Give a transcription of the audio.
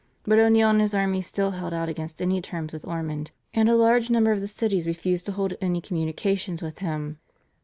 But O'Neill and his army still held out against any terms with Ormond, and a large number of the cities refused to hold any communications with him.